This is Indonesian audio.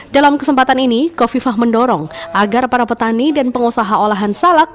dalam kesempatan ini kofifah mendorong agar para petani dan pengusaha olahan salak